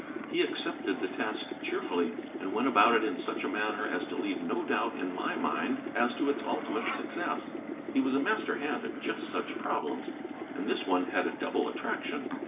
He accepted the task cheerfully, and went about it in such a manner as to leave no doubt in my mind as to its ultimate success. He was a master hand at just such problems, and this one had a double attraction.